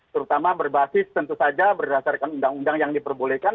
terutama berbasis tentu saja berdasarkan undang undang yang diperbolehkan